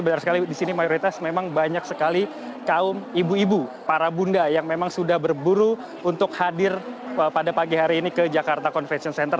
benar sekali di sini mayoritas memang banyak sekali kaum ibu ibu para bunda yang memang sudah berburu untuk hadir pada pagi hari ini ke jakarta convention center